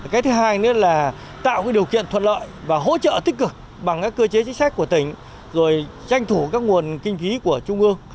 cái thứ hai nữa là tạo điều kiện thuận lợi và hỗ trợ tích cực bằng các cơ chế chính sách của tỉnh rồi tranh thủ các nguồn kinh phí của trung ương